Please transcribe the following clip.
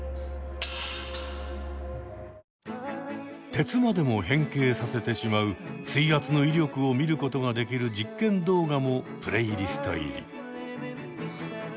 鉄までも変形させてしまう水圧の威力を見ることができる実験動画もプレイリスト入り。